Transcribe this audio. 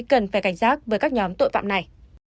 cần phải cảnh giác với các nhóm tội phạm này